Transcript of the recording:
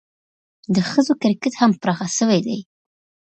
د ښځو کرکټ هم پراخه سوی دئ.